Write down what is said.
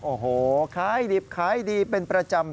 โอ้โหขายดิบขายดีเป็นประจำ